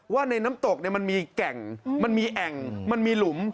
ว่าในน้ำตกมันมีแก่งมันมีแอ่งมันมีหลุม